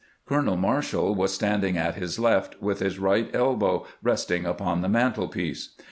Colonel Marshall was standing at his left, with his right elbow resting upon the man telpiece.